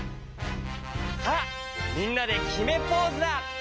さあみんなできめポーズだ！